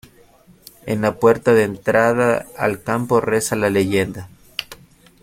En la puerta de entrada al campo reza la leyenda.